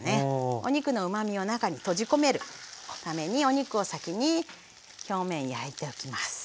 お肉のうまみを中に閉じ込めるためにお肉を先に表面焼いておきます。